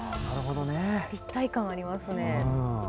立体感ありますね。